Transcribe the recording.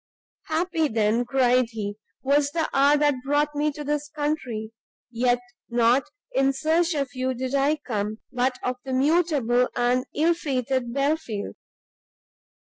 "Happy then," cried he, "was the hour that brought me to this country; yet not in search of you did I come, but of the mutable and ill fated Belfield.